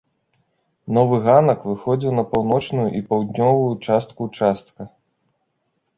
Новы ганак выходзіў на паўночную і паўднёвую частку ўчастка.